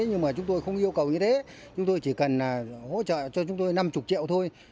nhưng mà chúng tôi không yêu cầu như thế chúng tôi chỉ cần hỗ trợ cho chúng tôi năm mươi triệu thôi